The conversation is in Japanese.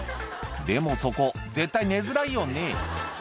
でもそこ絶対寝づらいよね